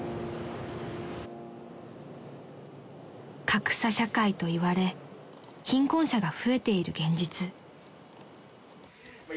［格差社会といわれ貧困者が増えている現実］